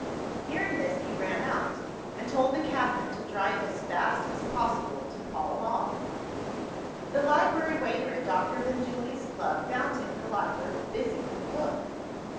Hearing this, he ran out, and told the cabman to drive as fast as possible to Pall Mall. The library waiter at Doctor Benjulia's Club found him in the library, busy with a book.